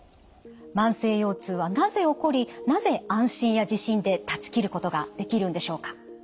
慢性腰痛はなぜ起こりなぜ安心や自信で断ち切ることができるんでしょうか？